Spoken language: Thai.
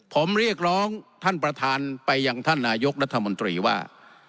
ผมเรียกร้องท่านประธานไปยังท่านนายกรัฐมนตรีว่า